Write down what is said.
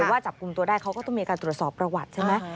ว่าจับกลุ่มตัวได้เขาก็ต้องมีการตรวจสอบประวัติใช่ไหม